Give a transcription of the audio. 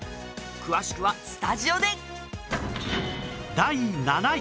詳しくはスタジオで！